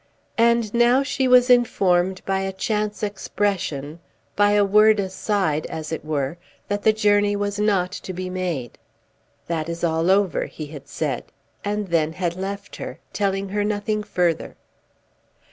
And now she was informed, by a chance expression, by a word aside, as it were, that the journey was not to be made. "That is all over," he had said, and then had left her, telling her nothing further.